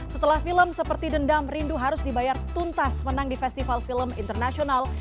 setelah film seperti dendam rindu harus dibayar tuntas menang di festival film internasional